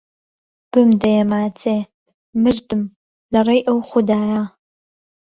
بمدهیه ماچێ، مردم، له رێی ئهو خودایه